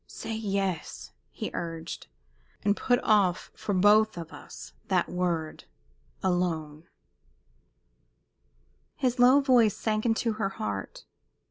"Say yes," he urged, "and put off for both of us that word alone!" His low voice sank into her heart.